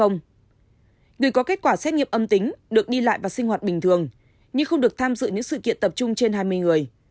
người có kết quả xét nghiệm âm tính được đi lại và sinh hoạt bình thường nhưng không được tham dự những sự kiện tập trung trên hai mươi người